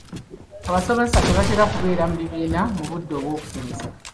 Abasomesa tebatera kubeera mu bibiina mu budde bw'okusomesa.